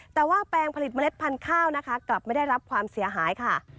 แต่ว่าแปลงผลิตเมล็ดพันธุ์ข้าวนะคะกลับไม่ได้รับความเสียหายค่ะ